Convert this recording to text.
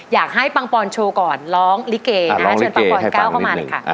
อยากให้ปังปอลโชว์ก่อนร้องลิเกชิวว่าปังปอลก้าวเข้ามาหนึ่งครับ